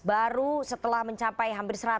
baru setelah mencapai hampir